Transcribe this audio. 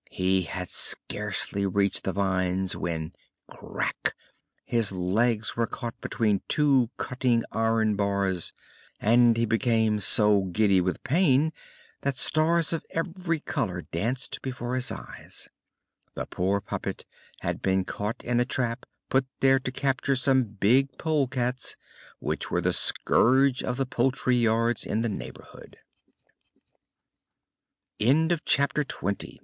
He had scarcely reached the vines when crack his legs were caught between two cutting iron bars and he became so giddy with pain that stars of every color danced before his eyes. The poor puppet had been taken in a trap put there to capture some big polecats which were the scourge of the poultry yards in the neighborhood. CHAPTER XXI PIN